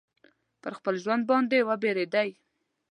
پر خپل ژوند باندي وبېرېدی.